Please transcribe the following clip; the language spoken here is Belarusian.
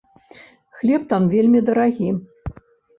Хлеб там вельмі дарагі.